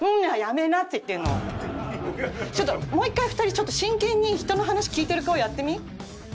ちょっともう一回２人ちょっと真剣に人の話聞いてる顔やってみ？